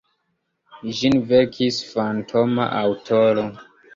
Ĝin verkis fantoma aŭtoro.